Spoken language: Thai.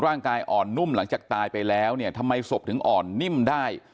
ร่างกายอ่อนนุ่มหลังจากตายไปแล้วเนี่ยทำไมศพถึงอ่อนนิ่มได้